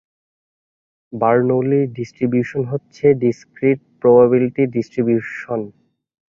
Bernoulli distribution হচ্ছে discrete probability distribution.